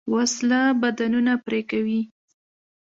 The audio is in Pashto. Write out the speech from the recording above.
وسله بدنونه پرې کوي